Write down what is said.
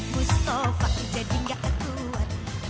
mustafa jadi gak ketuat